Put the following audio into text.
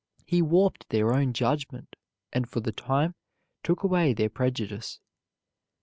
He warped their own judgment and for the time took away their prejudice.